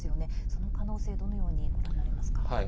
その可能性どのようにご覧になりますか？